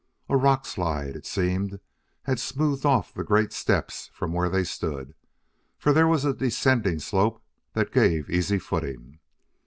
A rock slide, it seemed, had smoothed off the great steps from where they stood, for there was a descending slope that gave easy footing.